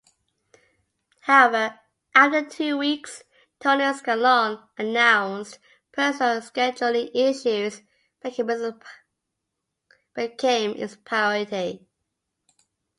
However, after two weeks, Tony Scaglione announced personal scheduling issues became his priority.